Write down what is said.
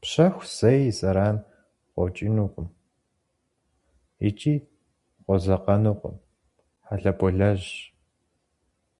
Пщэху зэи и зэран къокӏынукъым икӏи къодзэкъэнукъым, хьэлэболэжьщ.